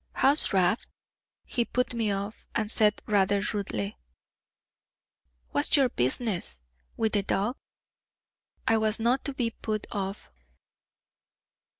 "How's Rab?" He put me off, and said rather rudely, "What's your business wi' the dowg?" I was not to be so put off.